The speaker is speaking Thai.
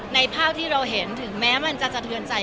ภาพที่เราเห็นถึงแม้มันจะสะเทือนใจ